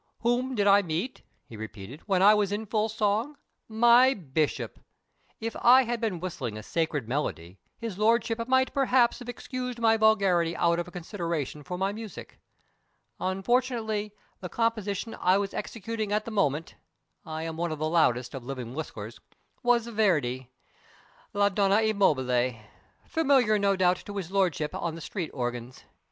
"Whom did I meet," he repeated, "when I was in full song? My bishop! If I had been whistling a sacred melody, his lordship might perhaps have excused my vulgarity out of consideration for my music. Unfortunately, the composition I was executing at the moment (I am one of the loudest of living whistlers) was by Verdi "La Donna e Mobile" familiar, no doubt, to his lordship on the street organs.